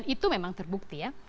itu memang terbukti ya